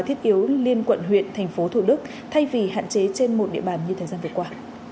thiết yếu liên quận huyện thành phố thủ đức thay vì hạn chế trên một địa bàn như thời gian vừa qua